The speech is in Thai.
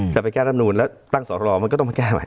ไปแก้ร่ำนูนแล้วตั้งสอรมันก็ต้องมาแก้ใหม่